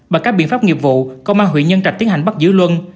bằng các biện pháp nghiệp vụ công an huyện nhân trạch tiến hành bắt giữ luân